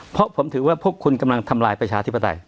เพราะผมถือว่าพวกคุณกำลังทำลายประชาธิปไตย